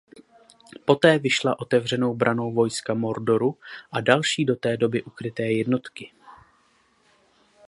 Poté vyšla otevřenou branou vojska Mordoru a další do té doby ukryté jednotky.